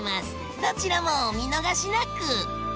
どちらもお見逃しなく！